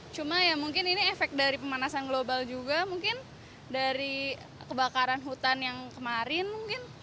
cuma ya mungkin ini efek dari pemanasan global juga mungkin dari kebakaran hutan yang kemarin mungkin